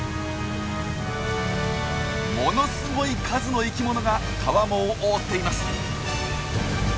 ものすごい数の生きものが川面を覆っています！